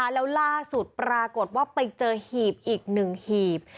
แล้วล่าสุดปรากฏว่าไปเจอหีบอีก๑หีบ